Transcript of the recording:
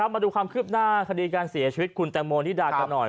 มาดูความคืบหน้าคดีการเสียชีวิตคุณแตงโมนิดากันหน่อย